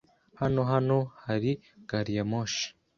Hano hano hari gariyamoshi?